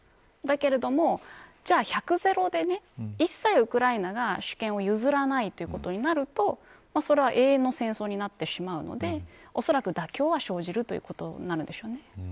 だけれども、１００、ゼロで一切ウクライナが主権を譲らないということになるとそれは永遠の戦争になってしまうのでおそらく妥協は生じるということになるでしょうね。